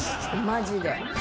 マジで。